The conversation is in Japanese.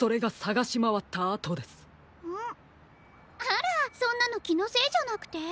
あらそんなのきのせいじゃなくて？